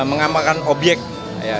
bisa mengamankan objek